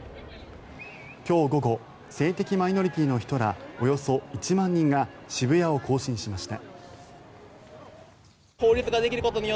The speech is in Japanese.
今日午後性的マイノリティーの人らおよそ１万人が渋谷を行進しました。